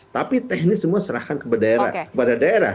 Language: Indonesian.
tapi teknis semua serahkan kepada daerah